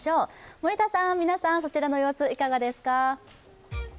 森田さん、皆さん、そちらの様子いかがですか。